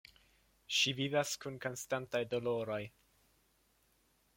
Ŝi vivas kun konstantaj doloroj.